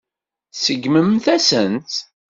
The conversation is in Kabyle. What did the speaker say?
Tseggmemt-asent-tt.